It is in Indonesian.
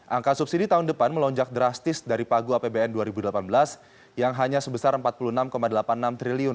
angka subsidi tahun depan melonjak drastis dari pagu apbn dua ribu delapan belas yang hanya sebesar rp empat puluh enam delapan puluh enam triliun